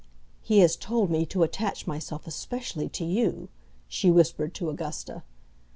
"He has told me to attach myself especially to you," she whispered to Augusta.